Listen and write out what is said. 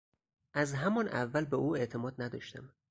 از همان اول به او اعتماد نداشتم.